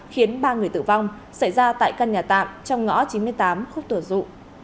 khiến ba người tử vong xảy ra tại căn nhà tạm trong ngõ chín mươi tám khúc tổ dụ